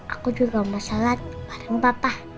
aku juga mau sholat bareng papa